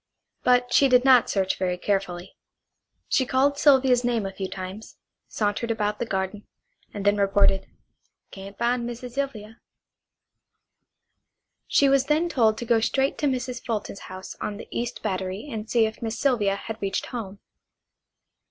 But she did not search very carefully. She called Sylvia's name a few times, sauntered about the garden, and then reported: "Can't find Missy Sylvia." She was then told to go straight to Mrs. Fulton's house on the East Battery and see if Miss Sylvia had reached home.